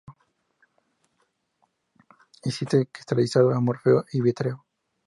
Existe cristalizado, amorfo y vítreo.